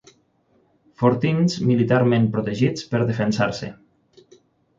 Fortins militarment protegits per defensar-se.